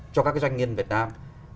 cho các doanh nghiên việt nam